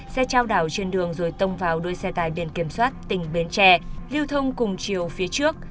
xe trao đảo trên đường rồi tông vào đuôi xe tài biển kiểm soát tỉnh bến tre lưu thông cùng chiều phía trước